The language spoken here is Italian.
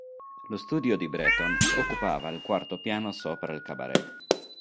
Lo studio di Breton occupava il quarto piano sopra il cabaret.